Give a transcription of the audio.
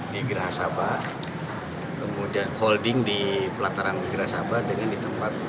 di grasa babuana kemudian holding di pelataran grasa babuana dengan di tempat